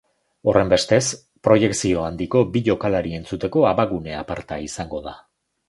Horrenbestez, proiekzio handiko bi jokalari entzuteko abagune aparta izango da.